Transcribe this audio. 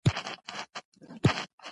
تفصیلي او تطبیقي ډيزاين